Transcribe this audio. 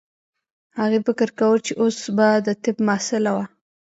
هغې فکر کاوه چې اوس به د طب محصله وه